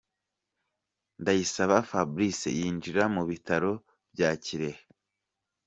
Ndayisaba Fabrice yinjira mu bitaro bya Kirehe .